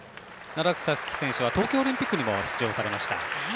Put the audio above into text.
楢崎選手は東京オリンピックにも出場されました。